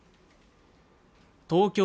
東京